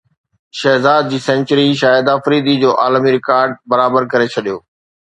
شهزاد جي سينچري شاهد فريدي جو عالمي رڪارڊ برابر ڪري ڇڏيو